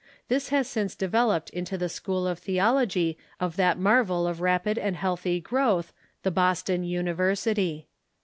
This has since devel oped into the School of Theology of that marvel of rapid and healthy growth. The Boston University.